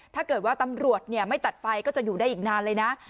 ถ้าเกิดว่าตำรวจไม่ตัดไฟก็จะอยู่ได้อีกนานเลยนะ